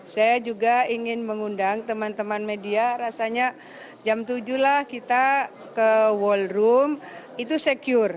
saya juga ingin mengundang teman teman media rasanya jam tujuh lah kita ke wallroom itu secure